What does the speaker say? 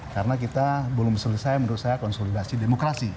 karena kita belum selesai menurut saya konsolidasi demokrasi